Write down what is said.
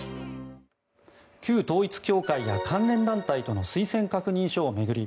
旧統一教会や関連団体との推薦確認書を巡り